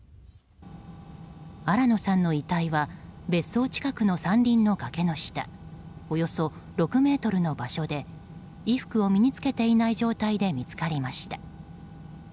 新野さんの遺体は別荘近くの山林の崖の下およそ６ｍの場所で衣服を身に着けていない状態で見つかりました。